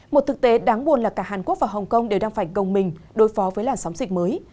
một thực tế đáng buồn là cả hàn quốc và hồng kông đều đang phải gồng mình đối phó với làn sóng dịch mới